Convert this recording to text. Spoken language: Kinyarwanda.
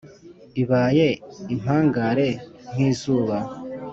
Ibaye impangare nk'izuba